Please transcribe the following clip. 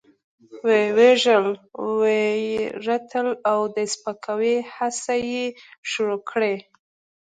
وه يې وژل، وه يې رټل او د سپکاوي هڅې يې شروع کړې.